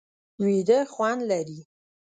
ویده خوند لري